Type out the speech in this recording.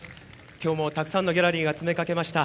きょうも、たくさんのギャラリーが詰めかけました。